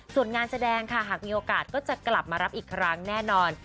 ส่วนงานแสดงค่ะหากมีโอกาสก็จะกลับมารับอีกครั้งแน่นอน